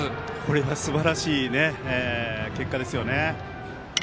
これはすばらしい結果ですよね。